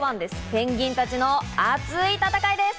ペンギンたちの熱い戦いです。